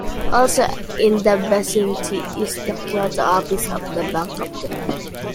Also in the vicinity is the Kyoto office of the Bank of Japan.